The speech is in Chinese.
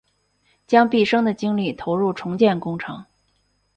将毕生的精力投入重建工程